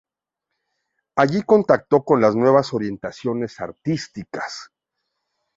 Allí contactó con las nuevas orientaciones artísticas.